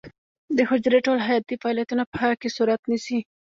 د حجرې ټول حیاتي فعالیتونه په هغې کې صورت نیسي.